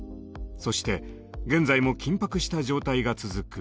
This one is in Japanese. そして現在も緊迫した状態が続く